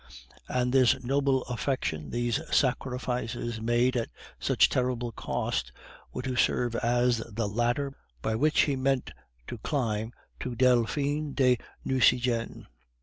And this noble affection, these sacrifices made at such terrible cost, were to serve as the ladder by which he meant to climb to Delphine de Nucingen.